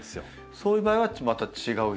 そういう場合はまた違う肥料？